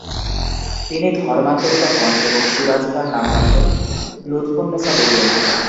তিনি ধর্মান্তরিত হন এবং সিরাজ তার নাম রাখেন লুৎফুন্নেসা বেগম।